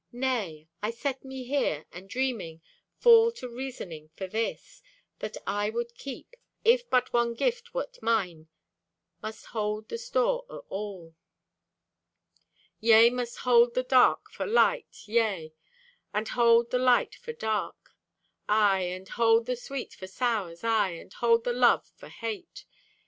Nay. I set me here, And dreaming, fall to reasoning for this, That I would keep, if but one gift wert mine Must hold the store o' all. Yea, must hold The dark for light, yea, and hold the light for dark, Aye, and hold the sweet for sours, aye, and hold The love for Hate.